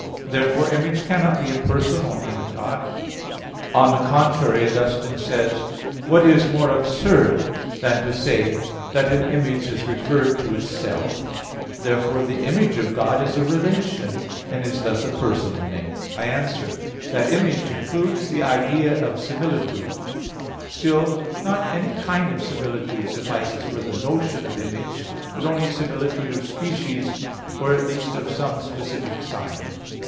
Therefore Image cannot be a personal name in God. On the contrary, Augustine says (De Trin. vii, 1): "What is more absurd than to say that an image is referred to itself?" Therefore the Image in God is a relation, and is thus a personal name. I answer that, Image includes the idea of similitude. Still, not any kind of similitude suffices for the notion of image, but only similitude of species, or at least of some specific sign.